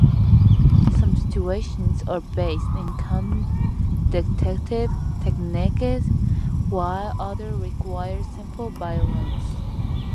Some situations are based in common detective techniques, while others require simple violence.